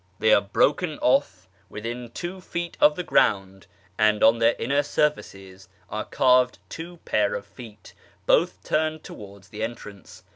They are broken off within two feet of the ground, and on their inner surfaces are carved two pair of feet, both turned towards the entrance.